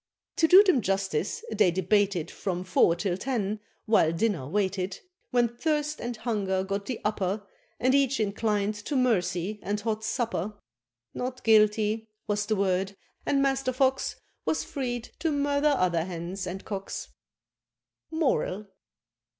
To do them justice, they debated From four till ten, while dinner waited, When thirst and hunger got the upper, And each inclin'd to mercy, and hot supper: "Not Guilty" was the word, and Master Fox Was freed to murder other hens and cocks. MORAL.